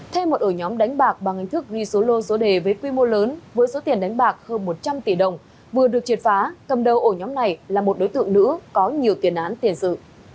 thêm một ổ nhóm đánh bạc bằng hình thức ghi số lô số đề với quy mô lớn với số tiền đánh bạc hơn một trăm linh tỷ đồng vừa được triệt phá cầm đầu ổ nhóm này là một đối tượng nữ có nhiều tiền án tiền sự